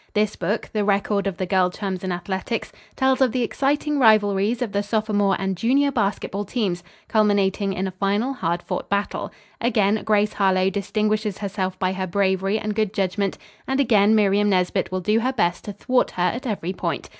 This book, the record of the girl chums in athletics, tells of the exciting rivalries of the sophomore and junior basketball teams, culminating in a final hard fought battle. Again Grace Harlowe distinguishes herself by her bravery and good judgment, and again Miriam Nesbit will do her best to thwart her at every point.